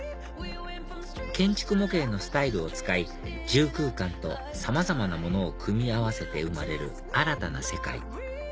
建築模型のスタイルを使い住空間とさまざまなものを組み合わせて生まれる新たな世界